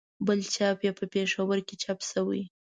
بل چاپ یې په پېښور کې چاپ شوی.